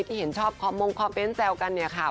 ที่เห็นชอบมงคอมเพนต์แจวกันค่ะ